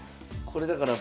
これだから。